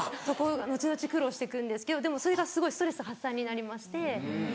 後々苦労してくんですけどでもそれがすごいストレス発散になりまして。